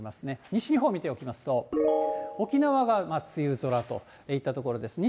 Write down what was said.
西日本見ておきますと、沖縄が梅雨空といったところですね。